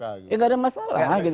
ya tidak ada masalah